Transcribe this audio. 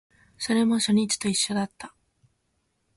それも初日と一緒だった